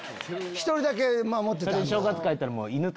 １人だけ守ってたんだ。